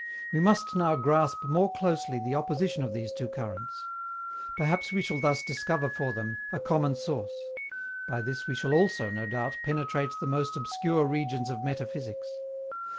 We must now grasp more closely the opposition of these two currents. Perhaps we shall thus discover for them a common source. By this we shall also, no doubt, penetrate the most obscure regions of metaphysics.